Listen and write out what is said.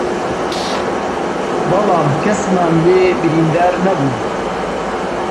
بەڵام کەسمان لێ بریندار نەبوو